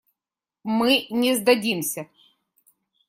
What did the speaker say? Мы не сдадимся.